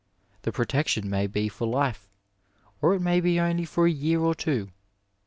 The protection may be for life, or it may last only for a year or two.